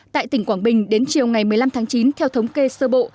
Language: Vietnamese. tại tỉnh quảng bình đến chiều ngày một mươi năm tháng chín theo thống kê sơ bộ